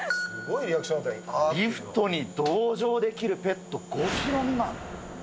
リフトに同乗できるペット、５キロ未満。